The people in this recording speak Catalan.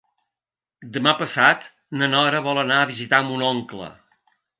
Demà passat na Nora vol anar a visitar mon oncle.